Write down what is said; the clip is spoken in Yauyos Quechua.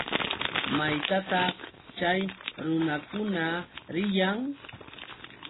¿Maytataq chay runakuna riyan?